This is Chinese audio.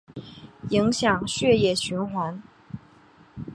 影响血液循环